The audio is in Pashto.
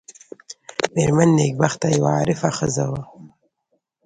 مېرمن نېکبخته یوه عارفه ښځه وه.